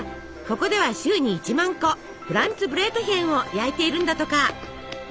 ここでは週に１万個フランツブレートヒェンを焼いているんだとか。